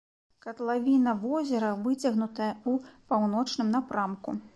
Катлавіна возера выцягнутая ў паўночным напрамку.